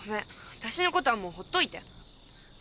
わたしのことはもうほっといて。